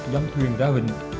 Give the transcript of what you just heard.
dòng thuyền ra hình